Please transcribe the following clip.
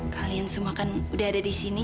kalian semua kan udah ada di sini